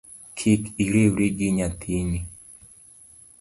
Kik iriwri gi nyathini